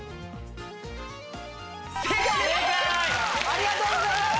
ありがとうございます！